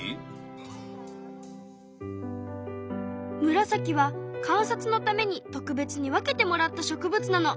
ムラサキは観察のために特別に分けてもらった植物なの。